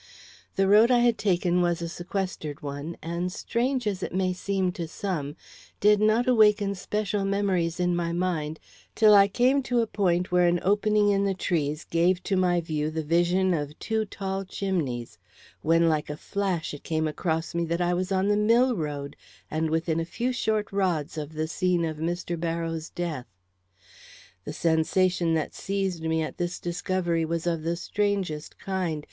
The road I had taken was a sequestered one, and strange as it may seem to some, did not awaken special memories in my mind till I came to a point where an opening in the trees gave to my view the vision of two tall chimneys; when like a flash it came across me that I was on the mill road, and within a few short rods of the scene of Mr. Barrows' death. The sensation that seized me at this discovery was of the strangest kind.